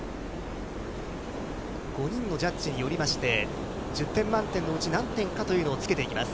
５人のジャッジによりまして、１０点満点のうち何点かというのをつけています。